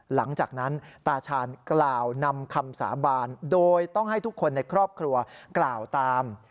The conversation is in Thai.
หลังจากนั้นตาชาญกล่าวนำคำสาบานโดยต้องให้ทุกคนในครอบครัวกล่าวตาม